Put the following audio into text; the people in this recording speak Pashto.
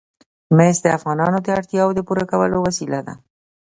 مس د افغانانو د اړتیاوو د پوره کولو وسیله ده.